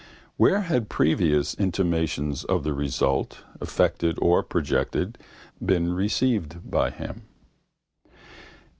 Where had previous intimations of the result, effected or projected, been received by him?